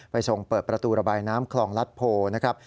ทรงเปิดประตูระบายน้ำคลองรัฐโพนะครับ